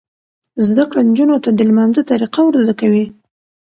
زده کړه نجونو ته د لمانځه طریقه ور زده کوي.